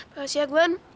makasih ya guan